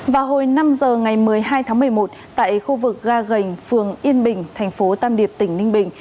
vào hồi năm h ngày một mươi hai tháng một mươi một tại khu vực ga gành phường yên bình tp tam điệp tp ninh bình